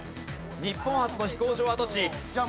日本初の飛行場跡地。